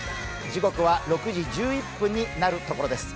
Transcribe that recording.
時刻は６時１１分になるところです。